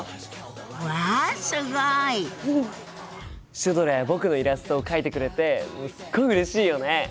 シュドラや僕のイラストを描いてくれてすっごいうれしいよね！